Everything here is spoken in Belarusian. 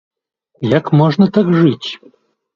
Як можна так жыць?